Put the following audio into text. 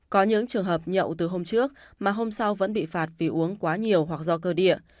có những trường hợp nhậu từ hôm trước mà hôm sau vẫn bị phạt vì uống quá nhiều hoặc do cơ địa